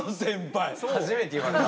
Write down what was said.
初めて言われた。